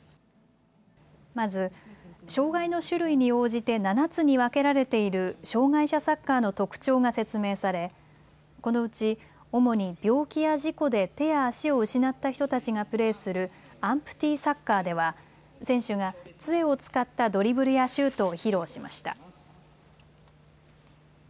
まず、障害の種類に応じて７つに分けられている障害者サッカーの特徴が説明されこのうち主に病気や事故で手や足を失った人たちがプレーするアンプティサッカーでは選手がつえを使ったドリブルやシュートを披露しました。